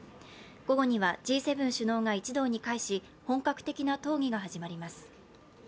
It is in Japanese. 午後にはＧ７首脳が一堂に会し本格的にな討議が始まります。